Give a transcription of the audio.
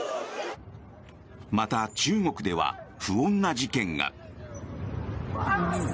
また、中国では不穏な事件が。